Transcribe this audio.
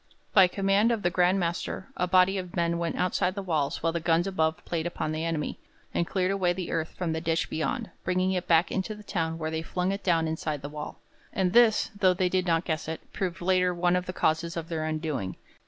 By command of the Grand Master a body of men went outside the walls while the guns above played upon the enemy, and cleared away the earth from the ditch beyond, bringing it back into the town where they flung it down inside the wall. And this, though they did not guess it, proved later one of the causes of their undoing.